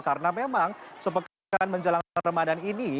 karena memang sepekan menjelang ramadhan ini